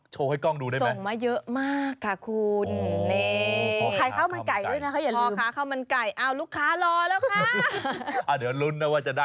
โชว์ให้กล้องดูได้ไหมอะเค้าน่าเยอะมากค่ะข้าวมันไก่เราลุคค้ารอแล้วคะ